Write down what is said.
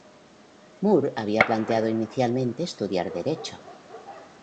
Moore había planeado inicialmente estudiar derecho.